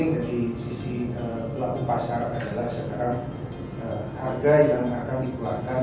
dari sisi pelaku pasar adalah sekarang harga yang akan dikeluarkan